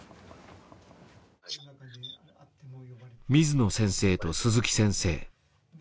水野先生と鈴木先生